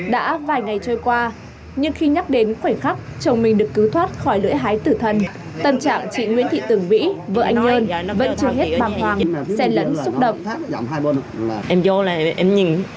đã vài ngày trôi qua nhưng khi nhắc đến khoảnh khắc chồng mình được cứu thoát khỏi lưỡi hái tử thân tâm trạng chị nguyễn thị tường vĩ vợ anh nhơn vẫn chưa hết bằng hoàng xe lấn xúc động